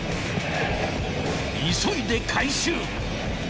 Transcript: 急いで回収。